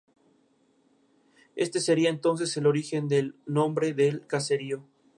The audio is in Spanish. Ese sería entonces el origen del nombre del caserío.